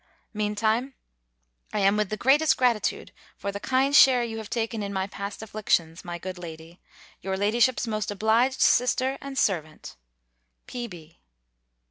Meantime, I am, with the greatest gratitude, for the kind share you have taken in my past afflictions, my good lady, your ladyship's most obliged sister and servant, P.